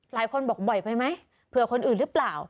หลายคนบอกบ่อยไปไหมเผื่อคนอื่นหรือเปล่า